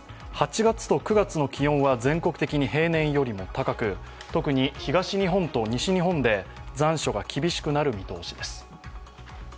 ８月と９月の気温は全国的に平年よりも高く特に東日本と西日本で残暑が厳しくなる見通しです。